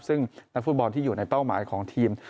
ซึ่งนักฟุตบอลที่อยู่ในเป้าหมายของทีม